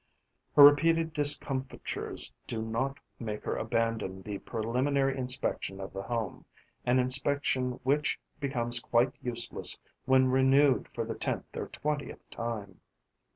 Her repeated discomfitures do not make her abandon the preliminary inspection of the home, an inspection which becomes quite useless when renewed for the tenth or twentieth time.